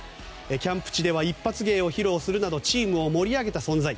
キャンプ地では一発芸を披露するなどチームを盛り上げた存在。